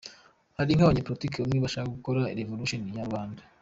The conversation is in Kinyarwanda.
Hari nk’abanyapolitiki bamwe bashaka gukora revolution ya rubanda.